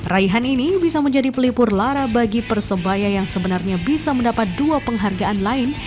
raihan ini bisa menjadi pelipur lara bagi persebaya yang sebenarnya bisa mendapat dua penghargaan lain